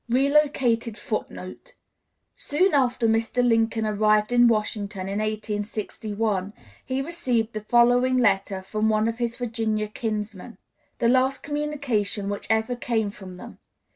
[Relocated Footnote: Soon after Mr. Lincoln arrived in Washington in 1861, he received the following letter from one of his Virginia kinsmen, the last communication which ever came from them.